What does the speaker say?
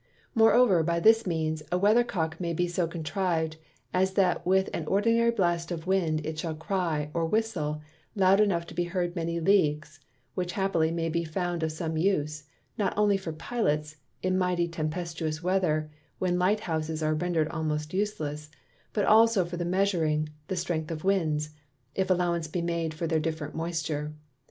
Moreover, by this means, a Weather cock may be so contriv'd, as that with an ordinary blast of Wind it shall cry (or whistle) loud enough to be heard many Leagues: Which happily may be found of some use, not only for Pilots in mighty tempestuous Weather, when light Houses are render'd almost useless, but also for the measuring the strength of Winds, if allowance be made for their different moisture.